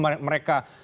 seperti apa mereka